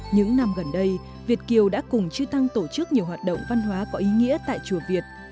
những năm gần đây việt kiều đã cùng chư tăng tổ chức nhiều hoạt động văn hóa có ý nghĩa tại chùa việt